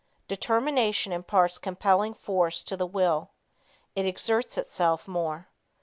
Determination imparts compelling force to the will. It exerts itself more.